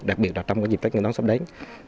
đặc biệt là trong cái dịp tết này nó sắp đến